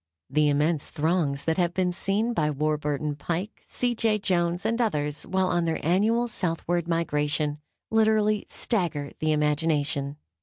The immense throngs that have been seen by Warburton Pike, C. J. Jones and others, while on their annual southward migration, literally stagger the imagination.